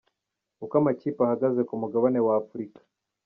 Uko amakipe ahagaze ku mugabane w'Afurika:.